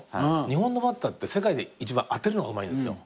日本のバッターって世界で一番当てるのがうまいんですよ。